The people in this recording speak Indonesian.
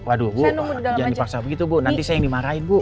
waduh bu jangan dipaksa begitu bu nanti saya yang dimarahin bu